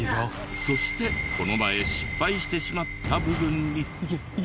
そしてこの前失敗してしまった部分に。